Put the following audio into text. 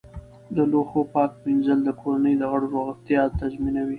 د لوښو پاک مینځل د کورنۍ د غړو روغتیا تضمینوي.